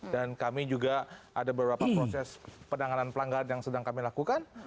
dan kami juga ada beberapa proses penanganan pelanggan yang sedang kami lakukan